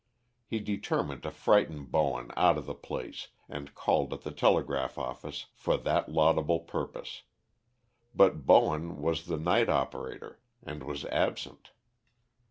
He determined to frighten Bowen out of the place, and called at the telegraph office for that laudable purpose; but Bowen was the night operator, and was absent.